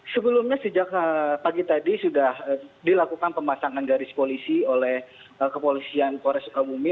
sebelumnya sejak pagi tadi sudah dilakukan pemasangan garis polisi oleh kepolisian korea sukabumi